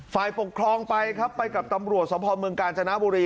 ฝ่ายปกครองไปครับไปกับตำรวจสมภาพเมืองกาญจนบุรี